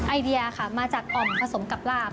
ไอเดียค่ะมาจากอ่อมผสมกับลาบ